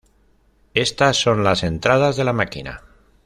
Estas son las entradas de la máquina.